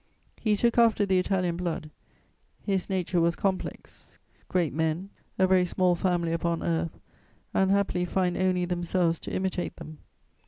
He took after the Italian blood; his nature was complex: great men, a very small family upon earth, unhappily find only themselves to imitate them.